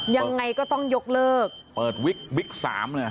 ยังไงก็ต้องยกเลิกเปิดวิกบิ๊กสามเลย